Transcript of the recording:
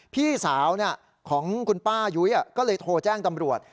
พี่สาวของคุณป้ายุ้ยก็เลยโทรแจ้งตำรวจ